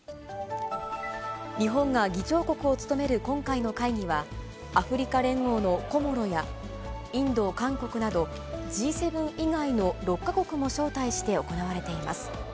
日本が議長国を務める今回の会議は、アフリカ連合のコモロや、インド、韓国など、Ｇ７以外の６か国も招待して行われています。